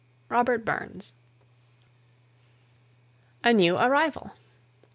ROBERT BURNS. A NEW ARRIVAL.